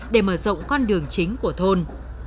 để mở rộng con đường chính của thôn